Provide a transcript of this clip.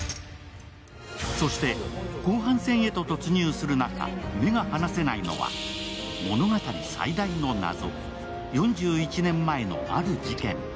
そして後半戦へと突入する中、目が離せないのは物語最大の謎、４１年前のある事件。